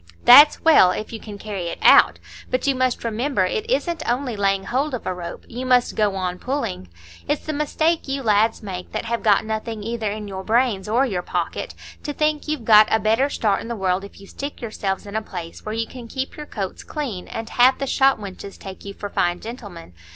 "That's well, if you can carry it out. But you must remember it isn't only laying hold of a rope, you must go on pulling. It's the mistake you lads make that have got nothing either in your brains or your pocket, to think you've got a better start in the world if you stick yourselves in a place where you can keep your coats clean, and have the shopwenches take you for fine gentlemen.